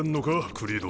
クリード。